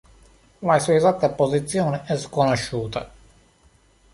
La sua esatta posizione è sconosciuta.